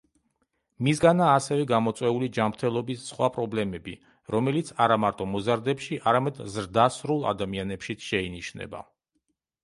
მისგანაა ასევე გამოწვეული ჯანმრთელობის სხვა პრობლემები, რომელიც არამარტო მოზარდებში, არამედ ზრდასრულ ადამიანებშიც შეინიშნება.